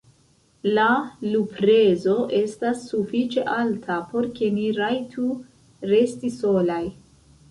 La luprezo estas sufiĉe alta, por ke ni rajtu resti solaj.